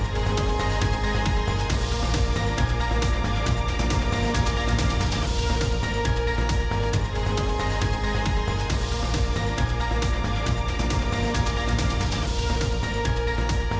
โปรดติดตามตอนต่อไป